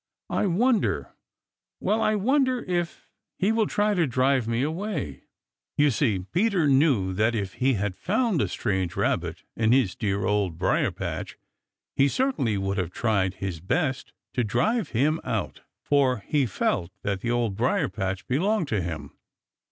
"I wonder well, I wonder if he will try to drive me away." You see Peter knew that if he had found a strange Rabbit in his dear Old Briar patch he certainly would have tried his best to drive him out, for he felt that the Old Briar patch belonged to him.